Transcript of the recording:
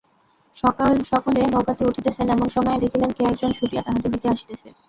সকলে নৌকাতে উঠিতেছেন– এমন সময়ে দেখিলেন, কে একজন ছুটিয়া তাহাদের দিকে আসিতেছে।